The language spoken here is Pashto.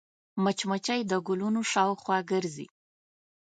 مچمچۍ د ګلونو شاوخوا ګرځي